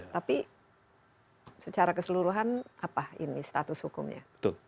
tapi secara keseluruhan apa ini status hukumnya